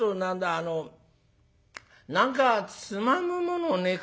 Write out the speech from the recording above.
あの何かつまむものねえかな」。